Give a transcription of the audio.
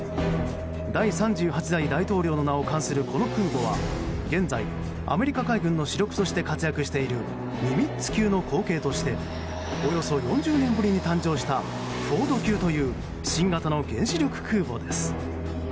第３８代大統領の名を冠するこの空母は現在、アメリカ海軍の主力として活躍しているニミッツ級の後継としておよそ４０年ぶりに誕生したフォード級という新型の原子力空母です。